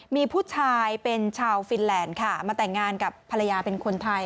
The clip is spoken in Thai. มีผู้ชายเป็นชาวฟินแลนด์ค่ะมาแต่งงานกับภรรยาเป็นคนไทย